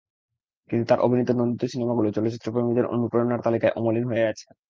কিন্তু তাঁর অভিনীত নন্দিত সিনেমাগুলো চলচ্চিত্রপ্রেমীদের অনুপ্রেরণার তালিকায় অমলিন হয়ে আছে।